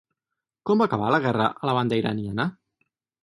Com va acabar la guerra a la banda iraniana?